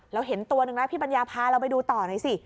เราเห็นตัวหนึ่งนะพี่ปัญญาพาเราไปดูต่อหน่อยสิ